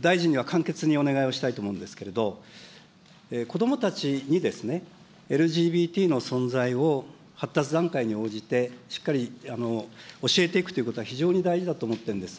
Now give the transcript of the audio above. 大臣には簡潔にお願いをしたいと思うんですけれども、子どもたちにＬＧＢＴの存在を、発達段階に応じて、しっかり教えていくということは非常に大事だと思ってるんです。